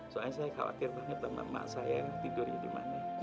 soalnya saya khawatir banget sama emak saya yang tidurnya dimana